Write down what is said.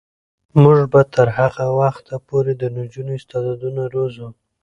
موږ به تر هغه وخته پورې د نجونو استعدادونه روزو.